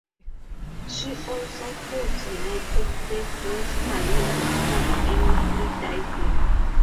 She also holds United States national records in freediving.